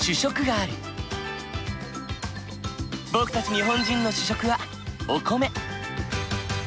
僕たち日本人の主食はお米。